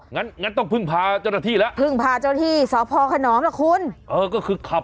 งั้นต้องพึ่งพาเจ้าหน้าที่หละ